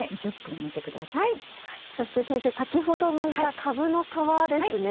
そして先生先ほどむいたかぶの皮ですね。